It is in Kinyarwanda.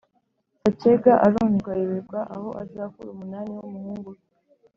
Sacyega arumirwa ayoberwa aho azakura umunani wumuhungu we